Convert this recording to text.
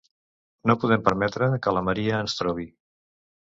No podem permetre que la Maria ens trobi!